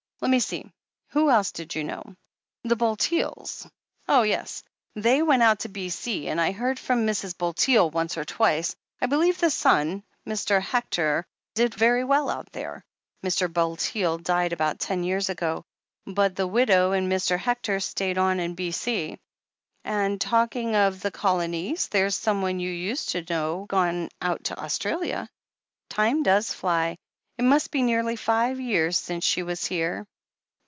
"Let me see — ^who else did you know? The Bul teels ? Oh, yes, they went out to B.C. and I heard from Mrs. Bulteel once or twice. I believe the son, Mr. Hec tor, did very well out there. Mr. Bulteel died about ten years ago. But the widow and Mr. Hectoa:*^tayed on in B.C. And talking of the Colonies, there's someone you used to know gone out to Australia. Time does flyl It must be nearly five years since she was here."